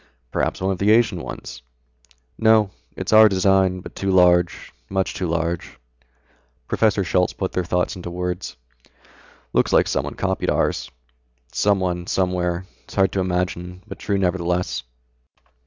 "Perhaps one of the Asian ones?" "No, it's our design, but too large, much too large." Professor Schultz put their thoughts into words. "Looks like someone copied ours. Someone, somewhere. It's hard to imagine, but true nevertheless."